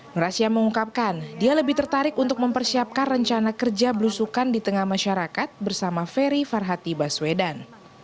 nur asia mengungkapkan dia lebih tertarik untuk mempersiapkan rencana kerja belusukan di tengah masyarakat bersama ferry farhati baswedan